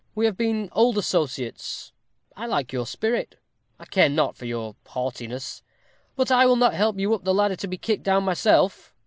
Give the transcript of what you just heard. We have been old associates. I like your spirit I care not for your haughtiness; but I will not help you up the ladder to be kicked down myself.